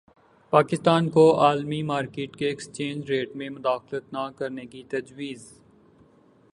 پاکستان کو عالمی مارکیٹ کے ایکسچینج ریٹ میں مداخلت نہ کرنے کی تجویز